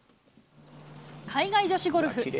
海外女子ゴルフ。